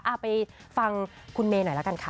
เอาไปฟังคุณเมย์หน่อยละกันค่ะ